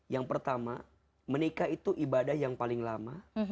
yang pertama menikah itu ibadah yang paling lama